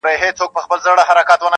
چي اسمان ته پورته کېږي له غروره -